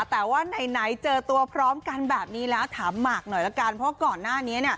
แต่ว่าไหนเจอตัวพร้อมกันแบบนี้แล้วถามหมากหน่อยละกันเพราะก่อนหน้านี้